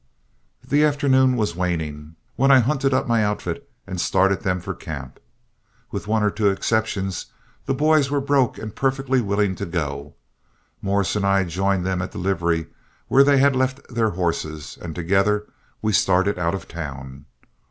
The afternoon was waning when I hunted up my outfit and started them for camp. With one or two exceptions, the boys were broke and perfectly willing to go. Morris and I joined them at the livery where they had left their horses, and together we started out of town.